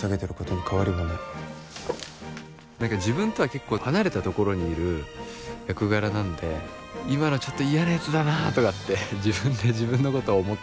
何か自分とは結構離れたところにいる役柄なんで今のちょっと嫌なやつだなとかって自分で自分のことを思ったり。